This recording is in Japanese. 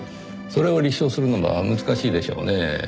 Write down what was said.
それを立証するのは難しいでしょうねぇ。